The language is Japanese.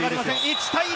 １対１。